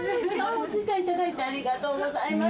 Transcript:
お時間頂いてありがとうございます。